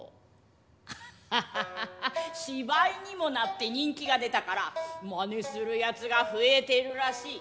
ハハハハ芝居にもなって人気が出たから真似するやつが増えてるらしい。